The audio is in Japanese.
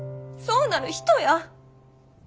そうなる人や。